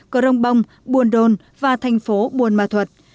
cờ rông bông buồn đôn và thành phố buồn ma thuật